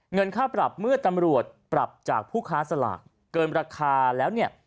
เงินค่าปรับเมื่อตำรวจปรับจากผู้ค้าสลากเกินราคาแล้วเนี่ย